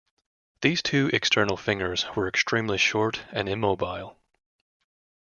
These two external fingers were extremely short and immobile.